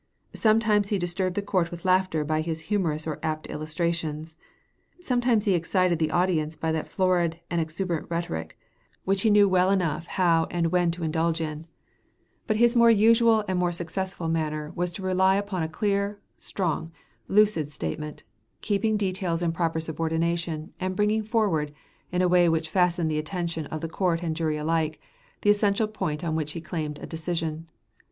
Sometimes he disturbed the court with laughter by his humorous or apt illustrations; sometimes he excited the audience by that florid and exuberant rhetoric which he knew well enough how and when to indulge in; but his more usual and more successful manner was to rely upon a clear, strong, lucid statement, keeping details in proper subordination and bringing forward, in a way which fastened the attention of court and jury alike, the essential point on which he claimed a decision.